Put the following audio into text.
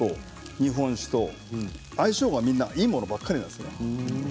日本酒と相性がいいものばかりなんです。